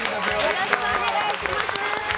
よろしくお願いします！